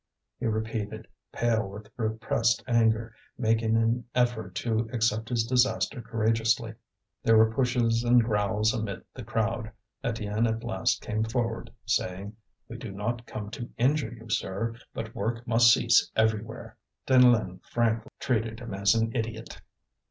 he repeated, pale with repressed anger, making an effort to accept his disaster courageously. There were pushes and growls amid the crowd. Étienne at last came forward, saying: "We do not come to injure you, sir, but work must cease everywhere." Deneulin frankly treated him as an idiot.